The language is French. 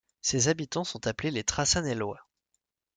Ses habitants sont appelés les Trassanelois.